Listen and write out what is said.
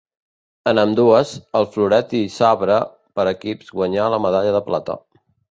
En ambdues, el floret i sabre per equips guanyà la medalla de plata.